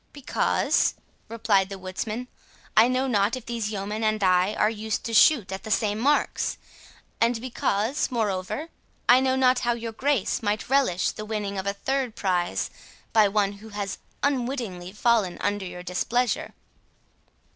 "Because," replied the woodsman, "I know not if these yeomen and I are used to shoot at the same marks; and because, moreover, I know not how your Grace might relish the winning of a third prize by one who has unwittingly fallen under your displeasure."